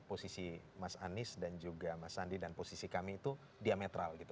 posisi mas anies dan juga mas sandi dan posisi kami itu diametral gitu